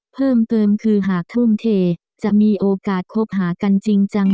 เพิ่มเติมคือหากทุ่มเทจะมีโอกาสคบหากันจริงจัง